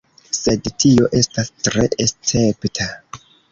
Sed tio estas tre escepta.